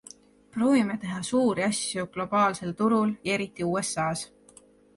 Proovime teha suuri asju globaalsel turul ja eriti USAs.